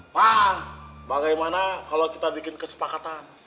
wah bagaimana kalau kita bikin kesepakatan